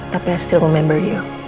tapi aku masih ingat kamu